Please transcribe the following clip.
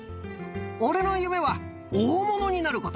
俺の夢は、大物になること。